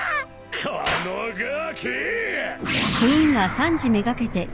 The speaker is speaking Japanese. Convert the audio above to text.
このガキ！